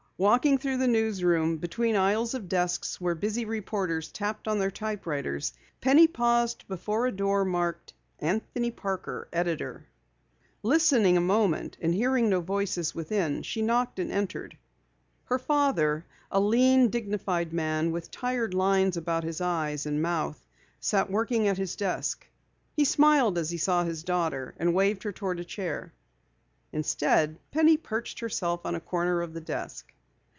Walking through the newsroom, between aisles of desks where busy reporters tapped on their typewriters, Penny paused before a door marked: Anthony Parker, Editor. Listening a moment and hearing no voices within, she knocked and entered. Her father, a lean, dignified man with tired lines about his eyes and mouth, sat working at his desk. He smiled as he saw his daughter, and waved her toward a chair. Instead, Penny perched herself on a corner of the desk.